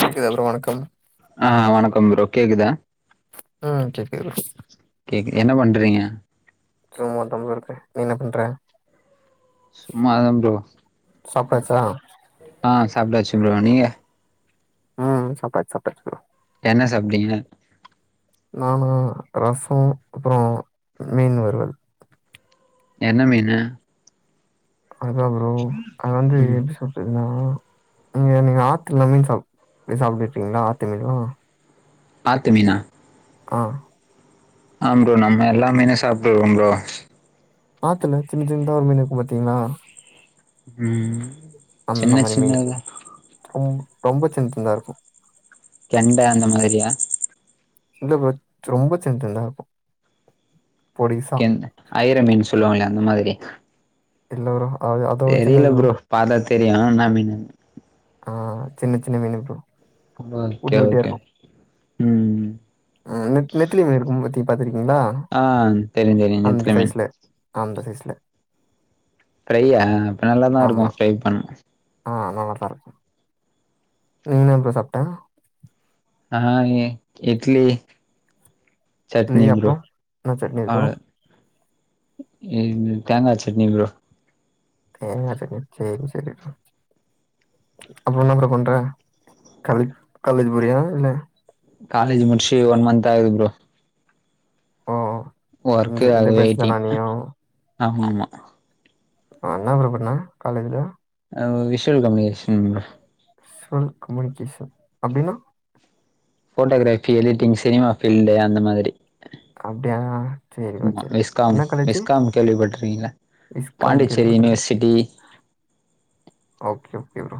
கேக்குதா ப்ரோ வணக்கம் ஆ வணக்கம் ப்ரோ கேகுதா ம் கேக்குது ப்ரோ கேக்கு என்ன பண்றீங்க சும்மாத்தா ப்ரோ இருக்கே நீ என்ன பண்ற சும்மாதாம் ப்ரோ சாப்ட்டாச்சா ஆ சாப்டாச்சு ப்ரோ நீங்க ம் சாப்டாச் சாப்டாச்சு ப்ரோ என்ன சாப்டீங்க நானா ரசோ அப்றோ மீன் வருவல் என்ன மீனு அதா ப்ரோ அது வந்து ம் எப்டி சொல் டின்னா நீங்க நீங்க ஆத்துல மீன் சாப் இது சாப்டுடீங்ளா ஆத்து மீன்லா ஆத்து மீனா ஆ ஆ ப்ரோ நம்ம எல்லா மீனு சாப்ட்ருக்கன் ப்ரோ ஆத்துல சின்ன சின்னதா ஒரு மீன் இருக்கும் பாத்தீங்களா ம் அந்த சின்ன மாரி மீனு சின்னதா ரொம் ரொம்ப சின் சின்னதா இருக்கும் கெண்ட அந்த மாதிரியா இல்ல ப்ரோ ரொம்ப சின் சின்ந்தா தா இருக்கும் பொடிசு கெண் ஐயிர மீன் சொல்லுவாங்களே அந்த மாதிரி இல்ல ப்ரோ அது அத விட சின்னது ப்ரோ பாத்தா தெரியும் என்ன மீனுனு ஆ சின்னச்சின்ன மீனு ப்ரோ கும்ப ஓகே குட்டி குட்டியா ஓகே ம் ஆ நெத் நெத்திலி மீன் இருக்கும் பத்தி பாத்துருக்கீங்களா ஆ தெரியு தெரியும் நெத்திலி மீன் அந்த சைஸ்ல ஃப்ரையா அப்ப நல்லாதா ஆமா. இருக்கும் ஃப்ரை பண் ஆ நல்லாதா இருக்கும் நீ என்ன ப்ரோ சாப்ட்ட நா இட்லி இட்லி சட்னி ப்ரோ அப்புறம்? என்ன சட்னி ப்ரோ? அவ்ளோ இங்க தேங்கா சட்னி ப்ரோ தேங்கா சட்னியா செரி செரி ப்ரோ அப்றோம் என்ன ப்ரோ பண்ற காலேஜ் காலேஜ் போறியா இல்ல காலேஜி முடிச்சி ஒன் மந்த் ஆகுது ப்ரோ ஓ இந்த ஒர்க்குகாக இந்த பேட்ச் தானா வெயிட்டிங் நீயும்? ஆமா ஆமா ஆ என்ன ப்ரோ பண்ண காலேஜ் ல ஆ visual communication bro visual communication அப்டின்னா போட்டோகிராபி எடிட்டிங் சினிமா ஃபீல்ட் அந்த மாதிரி அப்டியா சரி ப்ரோ, ஆமா சரி ப்ரோ. விஸ்காம் என்ன காலேஜு? விஸ்காம் கேள்விப்பட்டுருக்கீங்கள இஸ்காம் பாண்டிச்சேரி கேள்விப்பட்டுருக்கேன். யுனிவர்சிட்டி ஓகே ஓகே ப்ரோ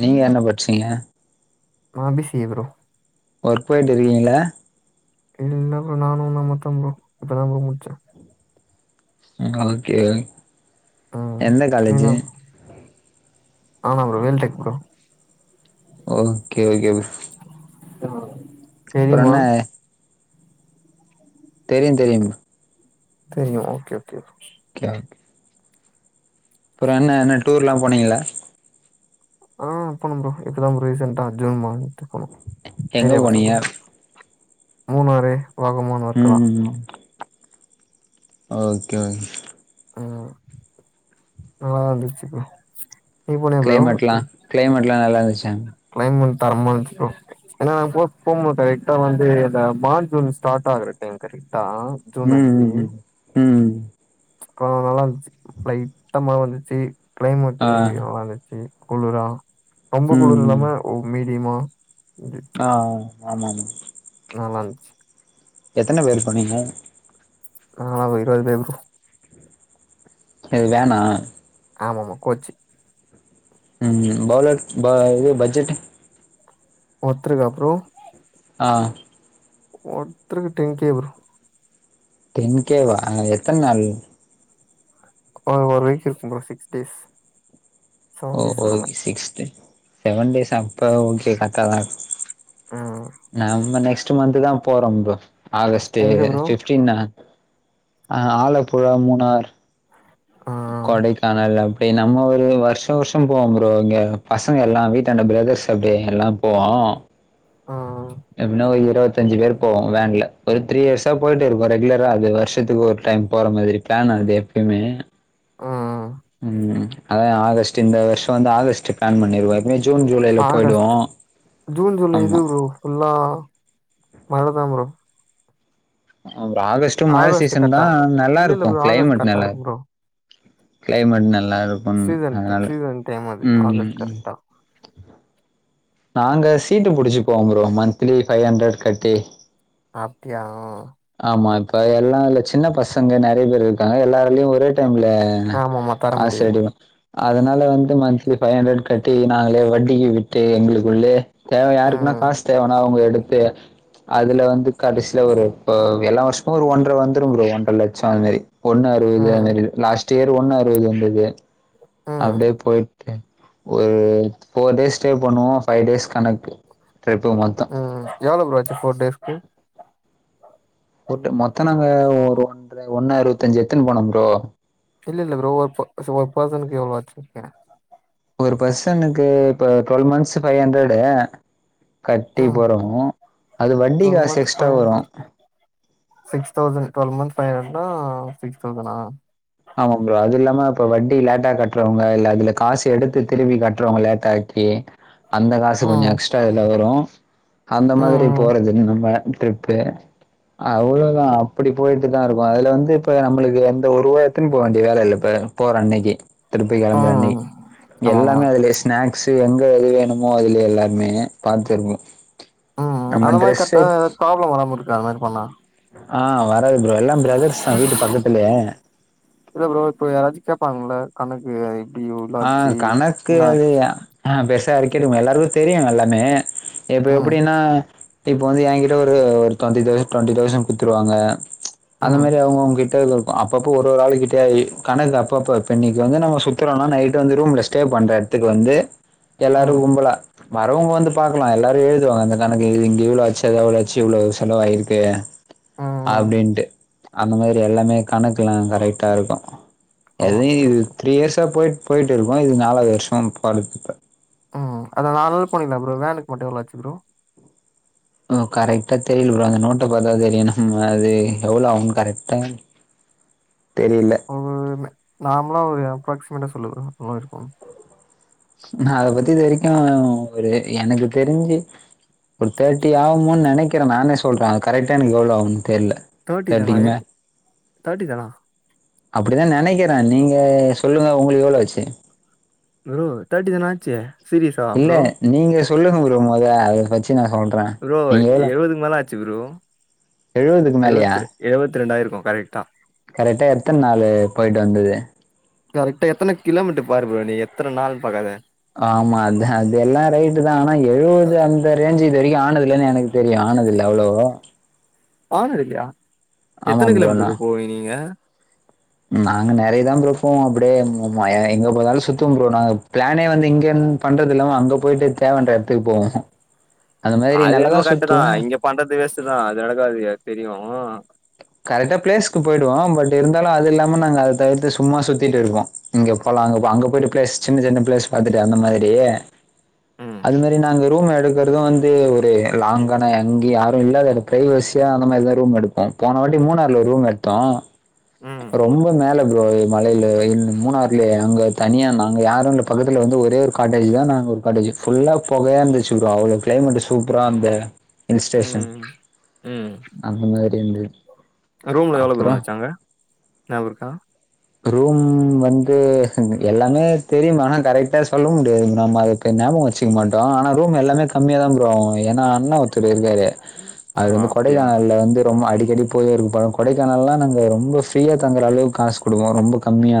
நீங்க என்ன படிச்சீங்க நா B C A bro work போயிட்டு இருக்கீங்களா இல்ல ப்ரோ நானும் உன்ன மாரிதா ப்ரோ இப்போதா ப்ரோ முடிச்சே நீங்களா ஓகே ஆ எந்த வேணு காலேஜி ஆமா bro Veltech bro okay okay bro ம் அப்றோ என்ன தெரியு தெரியு தெரியு ஓகே ஓகே கியா அப்றோ என்ன என்ன டூர்ல்லா போனீங்கிளா ஆ போனோம் ப்ரோ இப்பதா ப்ரோ ரீசன்டா ஜூன் மன் டுருக்கனு எங்க ஏரியா பசங்க போனீங்க கூட மூணாறு வாகமொன் ம் ம் ஓகே ஓ ம் நல்லா இருந்துச்சு ப்ரோ நீ போனியா ப்ரோ க்ளைமேட்லா க்ளைமேட்லா நல்லாந்துச்சே க்ளைமேட் தரமா இருந்துச்சு ப்ரோ ஏன்னா நாங்க [unintelligible] கரெக்ட்டா வந்து இந்த மார்ச் ஜூன் ஸ்டார்ட் ஆகுற டைம் கரெக்டா ஜூன் ம் அஞ்சு ம் ம் ம் அப்றோ நல்லா இருந்துச்சு லைட்டா மழ வந்துச்சு ஆ க்ளைமேட்டு நல்லாருந்து செரி குளரா ரொம்ப ம் குளரா ம் இல்லாமாஒ மீடியமா [unintelligible] ஆ ஆமா ஆமா நல்லாருந்துச்சு எத்தன பேரு போணீங்க நாங்களா ஒரு இருவது பேரு இருக்கு இது வேணா ஆமா ஆமா கோச்சி ம் பலர் பா இது பட்ஜெட் ஒர்த்திருக்கா ப்ரோ ஆ ஒர்த்தக்கு [unintelligible] டென்கே வா எத்தன் நாள் அ ஒரு வீக் இருக்கு ப்ரோ சிக்ஸ் டேஸ் செவன் ஓ டேஸ் அந்த ஓகே மாரி சிக்ஸ் டேஸ் செவன் டேஸ் அப்ப ஓகே கரெக்டாதா இருக்கு ம் நாம நெக்ஸ்ட் மந்த் தா போறோ ப்ரோ ஆகஸ்ட்டு எங்க ப்ரோ விவ் பின்னா அ ஆலப்புழா மூணார் ஆ கொடைகானல் அப்டி நம்ம ஒரு வருஷோ வருஷோ போவோ ப்ரோ இங்க பசங்கள் எல்லா வீட்ட அண்ட பிரதர்ஸ் அப்டியே எல்லா போவோ ம் எப்டின ஒரு இருபத்தஞ்சு பேரு போவோ வேன்ல ஒரு த்ரீ இயர்ஸா போயிட்டு இருக்கோ ரெகுலரா அது வருஷத்துக்கு ஒரு டைம் போற மாதிரி ப்ளான் அது எப்பயுமே அ அ ம் அதா ஆகஸ்டு இந்த வருஷ வந்து ஆகஸ்டு பிளான் பண்ணிருவோ இனி ஜுன் ஜூலைல போய்டுவோ ஆகஸ்ட் ஜூன் ஜூலை ஆமா இது ப்ரோ ஃபுல்லா மழதா ப்ரோ அப்ற ஆகஸ்டு மழ ஆகஸ்ட் சீசன்தா கரெக்டா இல்ல இல்ல நல்லாருக்கு ப்ரோ ஆகஸ்ட் கிளைமேட் கரெக்டா நல்லா இருக்கும் ப்ரோ கிளைமேட் நல்லாருக்குன் சீசன் டை அதனால சீசன் டைம் அது ம் ம் ஆகஸ்ட் ம் கரெக்டா நாங்க சீட்டு புடிச்சிப்போ ப்ரோ மந்த்த்லி ஃபைவ் ஹண்ட்ரட் கட்டி அப்டியா ஆமா இப்ப எல்லா இதுல சின்ன பசங்க நெறைய பேர் இருக்காங்க எல்லாரையு ஒரே டைம்ல ம் ஆமாமா தர காசு முடியாது எதுவு அதனால வந்து மந்த்லி ஃபைவ் ஹண்ட்ரட் கட்டி நாங்களே வட்டிக்கு விட்டு எங்களுக்குள்ளே தேவை யாருக்குன்னா ம் காசு தேவைன்னா அவங்க எடுத்து அதுல வந்து கடைசியில ஒரு எல்லா வருஷமுமஒரு ஒன்ர ப்ரோ ஒன்றர லட்ச அதுமாரி ஒண்ணு அறுபது ம் அந்த லாஸ்ட் இயர் ஒண்ணு அறுவது இருந்தது ம் அப்டியே போயி ஒரு போர்டேஸ் ஸ்டே பண்ணுவோ ஃபைவ் டேஸ் கணக்கு டூ மந்த்தா ம் எவ்வளோ ப்ரோ ஆச்சு போர் டேஸ்க்கு போர் டே மொத்த நாங்க ஒரு ஒன்ற ஒண்ணு அறுவத்தஞ்சு எத்துன் போனோ ப்ரோ இல்ல இல்ல ப்ரோ ஒரு ஒரு ப்ராஸ்ஸஸ்க்கு எவ்ளோ ஆச்ச கேக்குறே ஒரு பர்சனுக்கு to twelve months five hundred கட்டி ம் போறனு அது வட்டி டுவெல் காசு மந்த் எக்ஸ்ட்ரா ஃபைவ் வரு hundred six thousand twelve month five ஹன்னா சிக்ஸ் தௌசனா ஆமா ப்ரோ அது இல்லாம இப்ப வட்டி லேட்டா கட்டுறவங்க இல்ல அதுல காசு எடுத்து திருப்பி கட்றவங்க லேட்டாச்சி டி அந்த காசு கொஞ்ச ம் எக்ஸ்ட்ரா இதுல வரு அந்த ம் மாதிரி ம் போறது நம்ம ட்ரிப் பு அவ்வளதா அப்படி போயிட்டுதா இருக்கோ அதுல வந்து இப்ப நம்மளுக்கு எந்த ஒருவா எத்துன் போக வேண்டிய வேல இல்ல பாரு போற அன்னைக்கு திருப்பி கெளம்புற அன்னை ம் ஆமா ஆமா எல்லாமே அதுலே ஸ்நாக்ஸு எங்க எது வேணுமோ அதுல எல்லாருமே பாத்துருப்போ ம் ம் அந்த மாரி கட்னா ப்ராப்ளம் வராம இருக்கா அந்த மாரி பண்ணா ஆ வராது ப்ரோ எல்லா பிரதர்ஸ் தா வீட்டு பக்கத்துலயே இல்ல ப்ரோ இப்ப யாராச்சு கேப்பாங்கல்ல கணக்கு எப்டி எவ்ளோ ஆ ஆச்சு கணக்கு என்ன அது ஆச்சு ஆ வெசாரிக்கனு எல்லாருக்கு தெரியு எல்லாமே இப்ப ம் எப்புடின்னா இப்ப வந்து எங்கிட்ட ஒரு ஒரு ட்வண்டி தௌசண் டுவெண்ட்டி தௌசண் குடுத்துருவாங்க அந்த ம் மாரி அவங்கவங்க கிட்ட அப்பப்ப ஒரு ஆளு கிட்ட கணக்கு அப்பப்ப இப்ப இன்னிக்கு வந்து நாங்க சுத்தற ன்னா நைட் வந்து ரூம்ல ஸ்டே பண்ற எடத்துக்கு வந்து எல்லாரு ம் கும்பலா வரவங்க வந்து பாக்கலா எல்லாரு எழுதுவாங்க அந்த கணக்கு இங்க இவ்ளோ ஆச்சு அது அவ்ளோ ஆச்சு இவ்ள செலவாயிருக்கு ம் ம் அப்டின்ட்டு அந்த மாதிரி எல்லாமே கணக்கெல்லா கரெக்டா இருக்கு ஆ எதுவு ஓகே இது ஓகே த்ரீ இயர்ஸா போயிட் போயிட்ருக்கோ இது நாலாது வருஷ போறதிப்ப ம் அதா நாலு நாள் போனிங்கல ப்ரோ வேனுக்கு மட்டு எவ்ள ஆச்சு ப்ரோ ப்ரோ கரெக்டா தெரில ப்ரோ அந்த நோட்ட பாத்தா தெரியு நம்ம அது எவ்ளோ ஆகு கரெக்டா தெரில ஒரு நார்மலா ஒரு அப்ராக்சிமேட்டா சொல்லு ப்ரோ எவ்ள இருக்கு நா அத பத்தி இது வரைக்கு ஒரு எனக்கு தெரிஞ்சு ஒரு தேட்டி ஆகுமோன் நெனைக்கற நானே சொல்ற அது கரெக்டா எனக்கு எவ்ளோ ஆகுனு தெர்ல தேட்டி தானா தேர்ட்டிக்கு மே என் தேட்டி தானா அப்படிதா நெனைக்கிறே நீங்க சொல்லுங்க உங்களுக்கு எவ்ள ஆச்சு ப்ரோ தேட்டி தான ஆச்சு சீரியஸா இல்ல ப்ரோ நீங்க சொல்லுங்க ப்ரோ மொத அத வெச்சு நா சொல் ப்ரோ எழவதுக்கு மேல ஆச்சு ப்ரோ எழுவதுக்கு மேலயா எழுவத்ர எழுவத் ரெண்டாயிருக்கு கரெக்டா கரெக்டா எத்தன் நாளு போயிட்டு வந்தது கரெக்டா எத்தன கிலோமீட்டர் பாரு ப்ரோ நீ எத்த நாள் பாக்காத ஆமா அந்த அது எல்லா ரைட்டு் தா ஆனா எழுவது அந்த ரேஞ்சு இது வரைக்கு ஆனதுல்லனு எனக் வெரியு ஆனது இல்ல அவ்ளவா ஆனதில்லயா ஆமா எத்தன ப்ரோ நா கிலோமீட்டர்கு போவிங்க நீங்க நாங்க நறைய தா ப்ரோ ஃபோ அப்டேயே [unintelligible] எங்க போதாலு சுத்தம் ப்ரோ நாங்க பிளானே வந்து இங்கந் பண்றது இல்லாம அங்க போயிட்டு தேவன்ற எடத்துக்கு போவே அது என்மோ கரெட்டுதா இங்க பண்றது வேஸ்ட்தா அது நடக்காது தெரியு கரெட்டா பிளேஸ்க்கு போய்டுவோ பட் இருந்தாலு அது இல்லாம நாங்க அத தவிர்த்து சும்மா சுத்திட்டுருப்போ இங்க போலா அங்க அங்க போய்ட்டு பிளேஸ் சின்ன சின்ன பிளேஸ் பாத்துட்டு அந்த மாதிரி ம் அது மாரி நாங்க ரூம் எடுக்குறது வந்து ஒரு லாங்கான அங்கி யாரு இல்லாத எட பிரைவசியா அந்த மாரிதா ரூம் எடுப்பே போன வாட்டி மூணாறுல ஒரு ரூம் எடுத்தோ ம் ரொம்ப மேல ப்ரோ மலைல வெய் மூணாறுலயே அங்க தனியா நாங்க யாரு எங்களுக் பக்கத்தில வந்து ஒரே ஒரு காட்டேஜ் தா நாங்க ஒரு காட்டேஜ் ஃபுல்லா பொகையாக இருந்துச்சு ப்ரோ அவ்ளோக் கிளைமேட் சூப்பரா அந்த ஹில்ஸ்டேஷன் ம் அந்த மாரி வந்து ரூமில எவ்ளோ ப்ரோ வன்ச்சங்க நியாபருக்கா ரூம் வந்து எல்லாமே தெரியுமா ஆனா கரெட்டா சொல்ல முடியாது நம்ம அதுக் ஞாபகோ வச்சுக்க மட்டே ஆனா ரூம் எல்லாமே கம்மியா தா ப்ரோ ஆவு ஏனா அண்ணா துடு இருக்காரு அது ஆ வந்து அப்டியா கொடைக்கானல்ல வந்து ரொம்ப அடிக்கடி போய்ருக்கு பழோ கொடைக்கானல்லா நாங்க ரொம்ப ஃப்ரீயா தங்குற அளவுக் காசு குடுக்குறோ ரொம்ப கம்மியா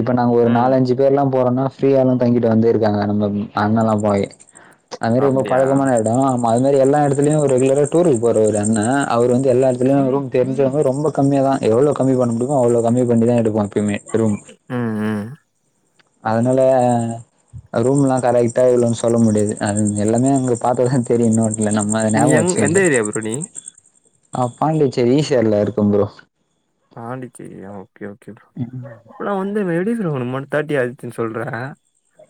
இப்ப நாங்க ஒரு ம் நாலஞ்சு பேருல்லா போறோம்னா ஃப்ரீயாலா தங்கிட்டு வந்திருக்காங்க நம்ம அண்ணல்லா போய் அங்கிட்டு ரொம்ப அப்டியா பழகமானது ஆமா அது மாரி எல்லா எடத்துலயு ரெகுலரா டூருக்கு போற ஒரு அண்ண அவரு வந்து எல்லா எடத்துலயு ரூம் தெரிஞ்சவங்க ரொம்ப கம்மியா தா எவ்ளோ கம்மி பண்ண முடியுமோ அவ்ளே கம்மி பண்ணிதா எடுப்போ எப்போமே ரூம் உ உ அதுனால ரூம்லா கரெட்டா இவ்ளோனு சொல்ல முடியாது எல்லாமே அங்க பாத்து தா தெரியுமா [unintelligible] எங்க எந்த ஏரியா புரோ நீ நா பாண்டிச்சேரி ஈசிஆர்ல இருக்க ப்ரோ பாண்டிச்சேரியா ஓகே ஓகே ப்ரோ அப்பல்லா வந்து வெளி புரோ நம்ம தேர்டி ஆச்சு சொல்ற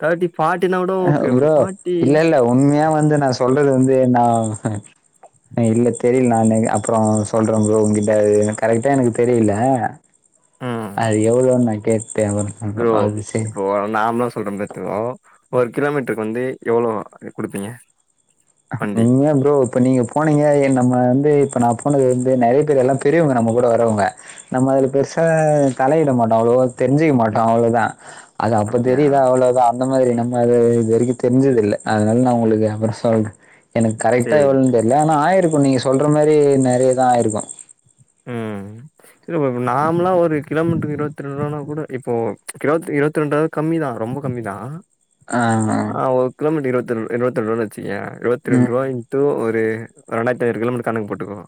தேட்டி ஃபாட்டினா கூட ஓகே ஒரு ப்ரோ ஃபாட்டி இல்ல இல்ல உண்மையா வந்து நா சொல்றது வந்து நா இல்ல தெரியல நா [unintelligible] அப்புறோ சொல்றே ப்ரோ உ கிட்ட கரெக்ட்டா எனக்கு தெரியல [inaudible] அது எவ்ளோன் நா கேட்டே [unintelligible] ப்ரோ அது செரி இப்போ நார்மலா சொல்றே பார் ப்ரோ ஒரு கிலோமீட்ருக்கு வந்து எவ்ளோ குடுப்பீங்க வண்டி நீயா ப்ரோ இப்ப நீங்க போனீங்க ஏ நம்ம வந்து இப்ப நா போனது வந்து நெறைய பேரு எல்லா பெரியவங்க நம்ம கூட வரவுங்க நம்ம அதுல பெருசா தலையிட மாட்டோ அவ்ளோ தெரிஞ்சுக்க மாட்டோ அவ்ளோ தா அது அப்ப அப்டியா தெரியுதா அவ்ளோ தா அந்த மாரி நம்ம இது இது வரைக்கு தெரிஞ்சதுல்ல அதுனால நா ஒங்களுக்கு அப்புறோ சொல்றே எனக்கு கரெட்டா சேரி எவ்ளோன்னு ப்ரோ தெரியல சேரி ஆனா ஆயிருக்கு நீங்க சொல்ற மாரி நெறையதா ஆயிருக்கு ம் இப்போ நார்மலா ஒரு கிலோமீட்ருக்கு இருவத்தி ரெண்டு ரூபா கூட இப்போ இருவத்தி இருபத்தி ரெண்டு கம்மிதா ரொம்ப கம்மிதா ஆ. ஆ ஒரு கிலோமீட்டருக்கு இருபத்தி ரெண் இருபத்தி ரெண்டு ரூபானு வச்சுக்கயே இருபத்தி ரெண்டு ம். ரூபாய் கு ஒரு ரெண்டாயிரத்து ஐநூறு கிலோமீட்ருக்கு கணக்கு போட்டுக்குங்க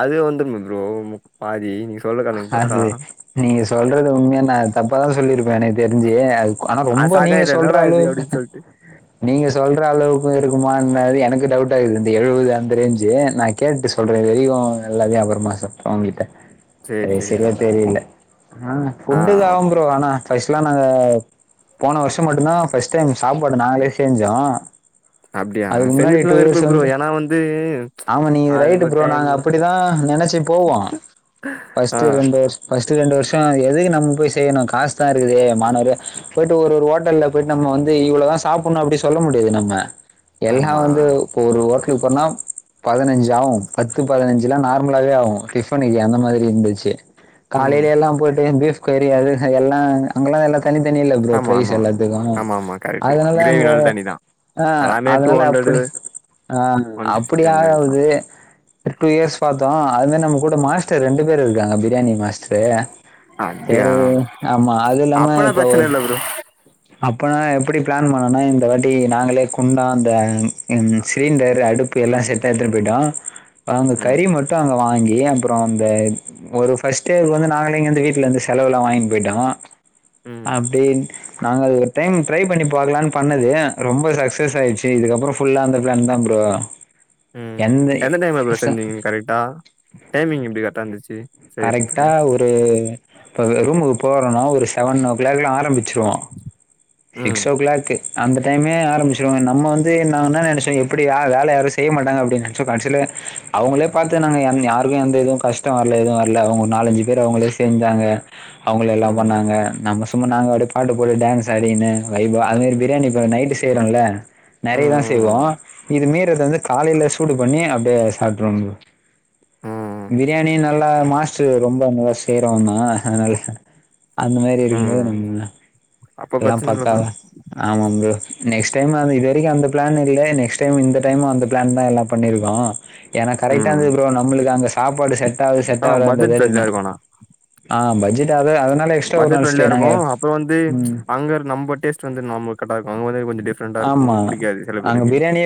அது வந்துருமே ப்ரோ பாதி நீங்க சொல்ற கணக் பாத்தா அது நீங்க சொல்றது உண்மையா நா தப்பதா சொல்லியிருப்பே எனக் தெரிஞ்சு அது ஆனா ஆ ரொம்ப அதிகோ நீங்க சாக்காயிட்டே என்னடா இது சொல்றாளவுக்கு அப்டின்னு சொல்ட்டு நீங்க சொல்ற அளவுக்கு இருக்குமா என்ன அது எனக்கு டவுட் ஆகுது இந்த எழுபது அந்த ரேஞ்சு நா கேட்டு சொல்றே இரு [unintelligible] எல்லாயு அப்றமா சொல்றே உங்க்கிட்ட சேரி ஆ சேரி ப்ரோ செரிய தெரில ஆ ஆ ஓகே [unintelligible] ஆனா ஃபர்ஸ்ட் எலா நாங்க போன வர்ஷோ மட்டுந்தா ஃபர்ஸ்ட் டைம் சாப்பாடு நாங்களே செஞ்சோ அப்டியா அதுக்கு முன்னாடி செஞ்சுட்டுலா டூ இருப்ப இயர்ஸ் ப்ரோ வந்து ஏன்னா வந்து ஆமா நீங்க அதுக்கு ரைட்டு ஒரு ப்ரோ நாங்க டைமு அப்படிதா நெனச்சி போவ ஆ ஃபஸ்ட்டு ரெண்டு வர்ஷ் ஃபஸ்டு ரென்டு வர்ஷோ எதுக்கு நம்ம போய் செய்யணு காசு தா இருக்குதே மாணவரே போயிட்டு ஒரு ஒரு ஹோட்டல்ல போயிட்டு நம்ம வந்து இவ்வளதா சாப்பின்ணு அப்டி சொல்ல முடியாது நம்ம எல்லா ஆமா வந்து ஒரு வொர்க்கு போனா பதினஞ்சாவு பத்து பதினஞ்சுனா நார்மலாவே ஆவு டிஃபனுக்கு அந்த மாதிரி இருந்துச்சு ம் காலைலெல்லா போயிட்டு பீப் கறி எல்லா அங்கல்லா எல்ல தனித்தனி இல்ல ப்ரோ ஆமா பரைஸ் ஆமா எல்லாத்துக்கு ஆமா ஆமா கரெக்ட்டு அதனால கிரேவி அங்க நல்ல தண்ணி தா ஆ எல்லாமே டூ அதனால ஹண்ட்ரடு அப்படி ஆ ஒன் ஃபிஃப்டி அந்த ரேஞ்ச் தா அப்படியாவது டூ இயர்ஸ் பாத்தோ அது மாதி நம்ம கூட மாஸ்டர் ரெண்டு பேரு இருக்காங்க பிரியாணி மாஸ்டரு அப்டியா சேரிங்க ஆமா அது இல்லாம அப்பனா இப்ப பிரச்சன ஒரு இல்ல ப்ரோ அப்போனா எப்டி பிளான் பண்ணோனா இந்த வாட்டி நாங்களே குண்டா அந்த சிலிண்டர் அடுப்பு எல்லா ம் செட்டா எடுத்துட்டு போய்டா அங்க ம் கறி மட்டு அங்க வாங்கி அப்றோ அந்த ஒரு ஃபர்ஸ்ட்டேக்கு வந்து நாங்களே இங்கிருந்து வீட்டுல இருந்து செலவுக்கெல்லா வாங்கிட்டு போயிட்டோ ம் அப்டின் நாங்க டைம் ட்ரை பண்ணி பாக்லான்னு பண்ணது ரொம்ப சக்ஸஸ் ஆச்சு இதுக்கப்றோ ஃபுல்லா அந்த பிளான் தான் ப்ரோ ம் எந்த டைம்ல ப்ரோ ச செஞ்சீங்க கரெக்டா டைமிங் எப்டி கரெக்டா இருந்துச்சு செய்யறதுக்கு கரெக்டா ஒரு இப்போ ரூமுக்கு போறோன்னா ஒரு செவன் ஓ கிளாக்லா ஆரம்பிச்சிருவோ சிக்ஸ் ம் ஓ கிளாக்கு அந்த டைமே ஆரம்பிச்சிருவங்க நம்ம வந்து நாங் என்ன நினைச்சோ எப்டியா வேல யாரு செய்ய மாட்டாங்க அப்டின்னு நெனச்சோ கடைசில அவுங்களே பாத்து நாங்க யாருக்கு எந்த இதுவு கஷ்டோ வரல எதுவு வர ல அவங்க நாலஞ்சு பேர் அவங்களே செஞ்சாங்க அவங்களே எல்லா ம் பண்ணாங்க நம்ம சும்மா நாங்க ஒரு பாட்டு போட்டு டான்ஸ் ஆடின்னு வைபா அது மாரி பிரியாணி நைட்டு செய்றோல நெறையா செய்வோ ம் இது மீதி வந்து காலைல சூடு பண்ணி அப்டியே சாப்ட்ருவோ ப்ரோ ம் பிரியாணி நல்லா மாஸ்டர் ரொம்ப நல்லா செய்றவன்தா அதனால அந்த மாரி இருக்கும்போது ம் நம்ம அப்ப எல்லா பிரச்சன இல்ல ப்ரோ பக்காத ஆமா ப்ரோ நெக்ஸ்ட் டைமு அது வரைக்கு எந்த பிளானு இல்ல நெக்ஸ்ட் டைம் இந்த டைம் அந்த பிளான் எல்லா பண்ணிருக்கோ எனக் கரெக்டா ம் இருந்துது ப்ரோ நம்மளுக்கு அங்க சாப்பாடு செட் ஆகுது செட் ஆனா பட்ஜெட் ஆகுலன்றது ஃப்ரெண்ட்லியா இருக்கு ஆனா ஆ பட்ஜெட் அத பட்ஜெட் ஃப்ரெண்ட்லிய இருக்கு அப்றோ வந்து ம் அங்க நம்ம டேஸ்ட் வந்து நமக் கரெக்டா இருக்கு அங்க வந்து கொஞ்சோ ப்ரெண்டா இருக்கு ஆமா புடிக்காது சில அங்க பேருக்கு பிரியாணியே